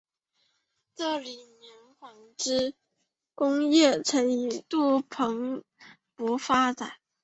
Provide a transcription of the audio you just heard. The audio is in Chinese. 这里的棉纺织工业曾一度蓬勃发展。